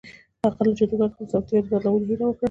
هغه له جادوګر څخه د سافټویر د بدلولو هیله وکړه